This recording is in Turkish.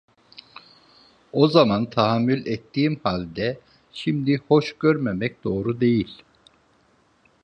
O zaman tahammül ettiğim halde şimdi hoş görmemek doğru değil…